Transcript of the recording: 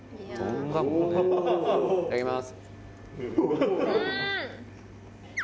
いただきます・